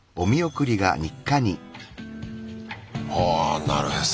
あなるへそ。